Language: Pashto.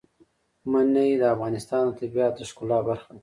منی د افغانستان د طبیعت د ښکلا برخه ده.